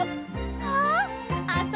ああ！